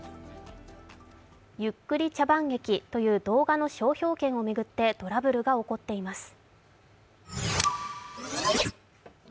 ゆっくり茶番劇という動画の商標権を巡ってトラブルが起こっています。